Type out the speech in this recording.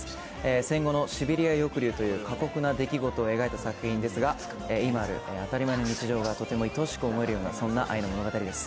戦後のシベリア抑留という過酷な出来事を描いた作品ですが今ある当たり前の日常がとても愛おしく思えるようなそんな愛の物語です。